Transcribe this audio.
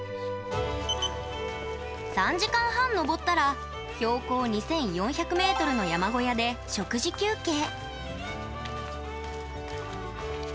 ３時間半登ったら標高２４００ｍの山小屋で食事休憩。